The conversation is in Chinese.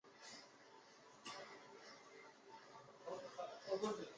游戏获得国家冰球联盟的许可。